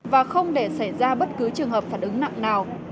và không để xảy ra bất cứ trường hợp phản ứng nặng nào